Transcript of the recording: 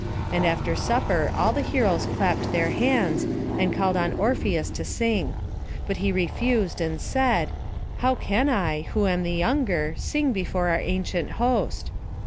And after supper all the heroes clapped their hands, and called on Orpheus to sing; but he refused, and said, "How can I, who am the younger, sing before our ancient host?"